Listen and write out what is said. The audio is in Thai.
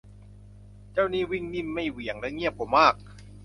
เจ้านี่วิ่งนิ่มไม่เหวี่ยงและเงียบกว่ามาก